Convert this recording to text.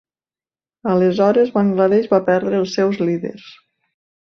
Aleshores, Bangladesh va perdre els seus líders.